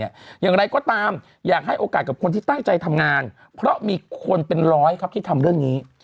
อย่างไรก็ตามอยากให้โอกาสกับคนที่ตั้งใจทำงานเพราะมีคนเป็นร้อยครับที่ทำเรื่องนี้